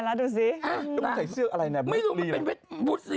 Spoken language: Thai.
ตัวนั้นแหละอีบภ่าเออน่ะได้แล้วดูสิ